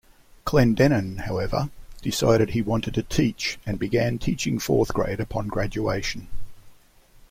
Clendenon, however, decided he wanted to teach, and began teaching fourth grade upon graduation.